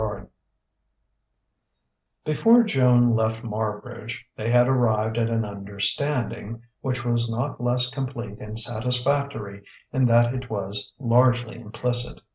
XXXIV Before Joan left Marbridge, they had arrived at an understanding which was not less complete and satisfactory in that it was largely implicit.